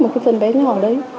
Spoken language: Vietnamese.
một cái phần bé nhỏ đấy